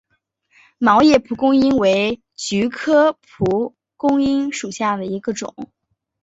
毛叶蒲公英为菊科蒲公英属下的一个种。